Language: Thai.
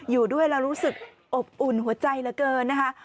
อยู่ด้วยแล้วรู้สึกอบอุ่นหัวใจเหลือเกินนะคะ